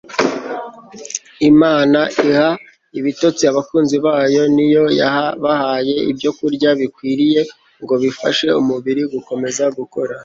imana iha ibitotsi abakunzi bayo ni yo yabahaye ibyokurya bikwiriye ngo bifashe umubiri gukomeza gukora